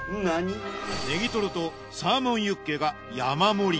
ネギトロとサーモンユッケが山盛り。